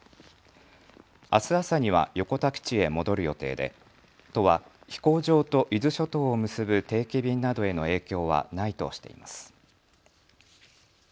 あす朝には横田基地へ戻る予定で都は飛行場と伊豆諸島を結ぶ定期便などへの影響はないとしています。